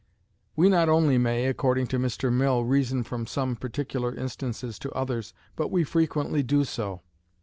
We not only may, according to Mr. Mill, reason from some particular instances to others, but we frequently do so.